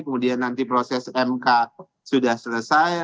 kemudian nanti proses mk sudah selesai